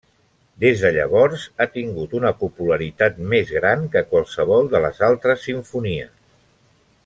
Des de llavors ha tingut una popularitat més gran que qualsevol de les altres simfonies.